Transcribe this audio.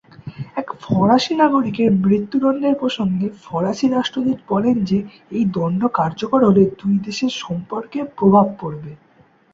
এক ফরাসি নাগরিকের মৃত্যুদন্ডের প্রসঙ্গে ফরাসি রাষ্ট্রদূত বলেন যে এই দন্ড কার্যকর হলে দুই দেশের সম্পর্কে প্রভাব পড়বে।